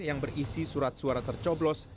yang berisi surat suara tercoblos